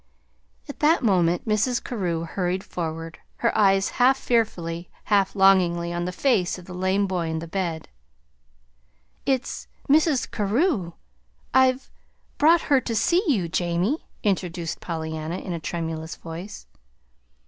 At that moment Mrs. Carew hurried forward, her eyes half fearfully, half longingly on the face of the lame boy in the bed. "It's Mrs. Carew. I've brought her to see you, Jamie," introduced Pollyanna, in a tremulous voice.